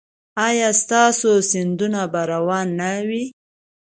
ایا ستاسو سیندونه به روان نه وي؟